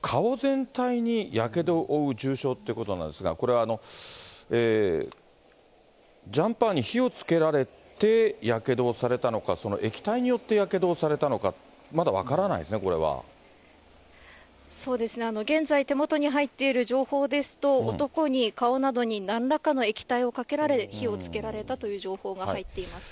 顔全体にやけどを負う重傷っていうことなんですが、これ、ジャンパーに火をつけられて、やけどをされたのか、その液体によってやけどをされたのか、まだ分からないですね、そうですね、現在、手元に入っている情報ですと、男に顔などになんらかの液体をかけられ、火をつけられたという情報が入っています。